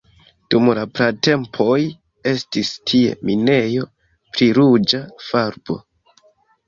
Dum la pratempoj estis tie minejo pri ruĝa farbo.